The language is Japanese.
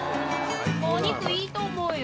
もうお肉いいと思うよ。